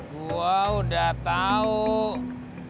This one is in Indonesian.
jangan dulu diminum din